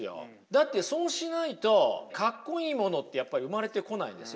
だってそうしないとかっこいいものってやっぱり生まれてこないですよね。